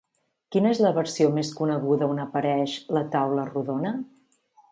Quina és la versió més coneguda on apareix la Taula Rodona?